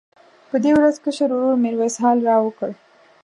په دې ورځ کشر ورور میرویس حال راوکړ.